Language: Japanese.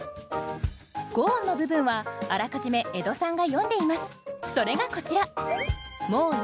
五音の部分はあらかじめ江戸さんが詠んでいます。